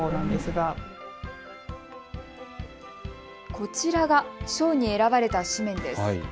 こちらが賞に選ばれた紙面です。